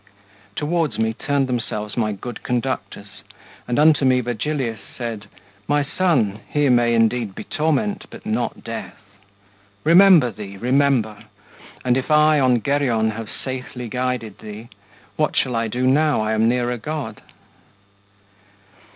Towards me turned themselves my good Conductors, And unto me Virgilius said: "My son, Here may indeed be torment, but not death. Remember thee, remember! and if I On Geryon have safely guided thee, What shall I do now I am nearer God?